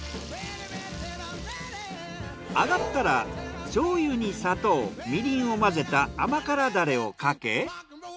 揚がったらしょうゆに砂糖みりんを混ぜた甘辛ダレをかけ。